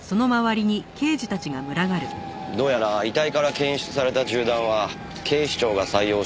どうやら遺体から検出された銃弾は警視庁が採用している支給